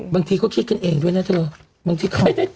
บางทีเขาคิดกันเองด้วยนะเธอ